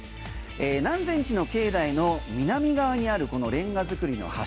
南禅寺の境内の南側にあるこのレンガ造りの橋。